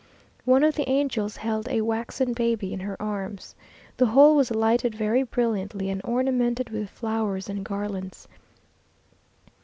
One of the angels held a waxen baby in her arms. The whole was lighted very brilliantly, and ornamented with flowers and garlands.